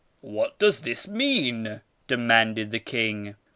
What does this mean?' demanded the king.